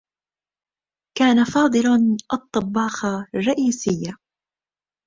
كان فاضل الطّبّاخ الرّئيسي.